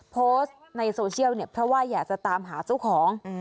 โพสต์ในโซเชียลเพราะว่าอยากจะตามหาซุของ